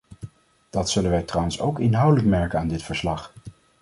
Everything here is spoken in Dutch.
Dat zullen wij trouwens ook inhoudelijk merken aan dit verslag.